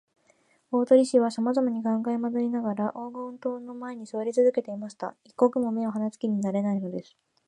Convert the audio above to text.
大鳥氏はさまざまに考えまどいながら、黄金塔の前にすわりつづけていました。一刻も目をはなす気になれないのです。